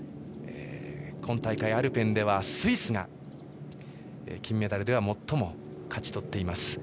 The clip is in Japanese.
今大会、アルペンではスイスが金メダルでは最も勝ち取っています。